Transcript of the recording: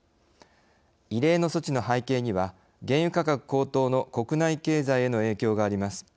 異例の措置の背景には原油価格高騰の国内経済への影響があります。